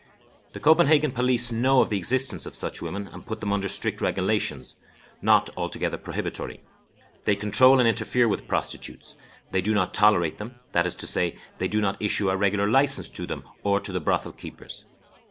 The Copenhagen police know of the existence of such women, and put them under strict regulations, not altogether prohibitory. They control and interfere with prostitutes; they do not tolerate them that is to say, they do not issue a regular license to them or to the brothel keepers.